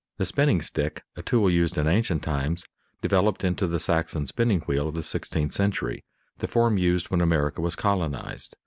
The spinning stick, a tool used in ancient times, developed into the Saxon spinning wheel of the sixteenth century, the form used when America was colonized.